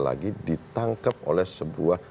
lagi ditangkap oleh sebuah